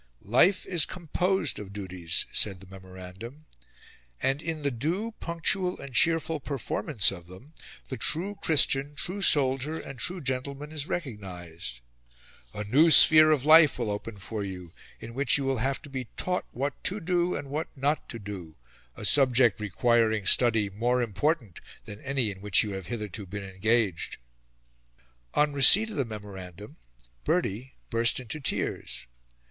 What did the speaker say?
"Life is composed of duties," said the memorandum, "and in the due, punctual and cheerful performance of them the true Christian, true soldier, and true gentleman is recognised... A new sphere of life will open for you in which you will have to be taught what to do and what not to do, a subject requiring study more important than any in which you have hitherto been engaged." On receipt of the memorandum Bertie burst into tears.